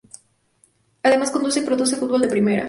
Además conduce y produce "Fútbol de Primera".